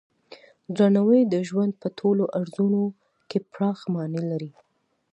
درناوی د ژوند په ټولو اړخونو کې پراخه معنی لري.